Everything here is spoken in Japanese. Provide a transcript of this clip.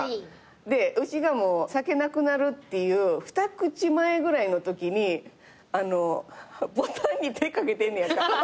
でうちが酒なくなるっていう二口前ぐらいのときにボタンに手かけてんねやんか。